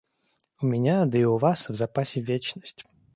У меня, да и у вас, в запасе вечность.